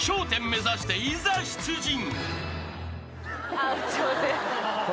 １０目指していざ出陣］